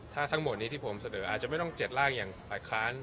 ถ้าทั้งหมดนี้ที่ผมเสนออาจจะไม่ต้อง๗ร่างอย่างฝ่ายค้าน